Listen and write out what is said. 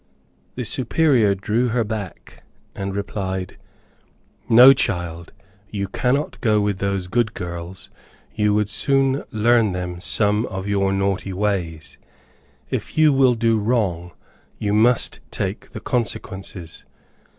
The Superior drew her back, and replied, "No, child; you cannot go with those good girls; you would soon learn them some of your naughty ways. If you will do wrong, you must take the consequences."